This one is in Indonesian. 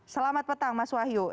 selamat petang mas wahyu